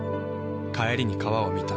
帰りに川を見た。